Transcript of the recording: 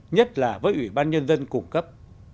nhất là với ủy ban nhân dân củng cấp